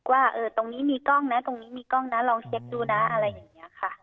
ว่าตรงนี้มีกล้องนะตรงนี้มีกล้องนะลองเช็คดูนะอะไรอย่างนี้ค่ะ